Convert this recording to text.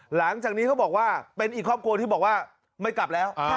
หลังจากนี้เขาบอกว่าเป็นอีกครอบครัวที่บอกว่าไม่กลับแล้ว